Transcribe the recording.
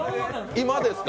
今ですか？